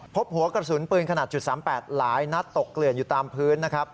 พบหัวกระสุนปืนขนาด๓๘หลายนัดตกเกลื่อนอยู่ตามพื้นนะครับ